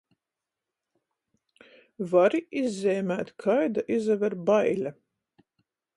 Vari izzeimēt, kaida izaver baile?